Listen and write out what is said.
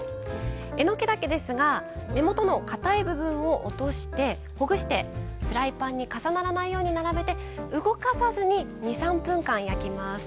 えのきだけですが根元のかたい部分を落としてほぐして、フライパンに重ならないように並べて、動かさずに２３分間、焼きます。